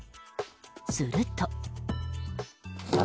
すると。